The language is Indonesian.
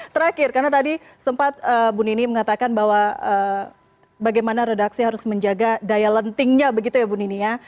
terakhir karena tadi sempat bunini mengatakan bahwa bagaimana redaksi harus menjaga daya lentingnya begitu ya bunini ya